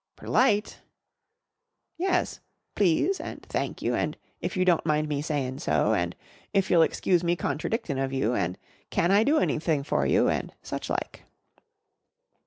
"Perlite?" "Yes. 'Please' and 'thank you,' and 'if you don't mind me sayin' so,' and 'if you excuse me contradictin' of you,' and 'can I do anything for you?' and such like."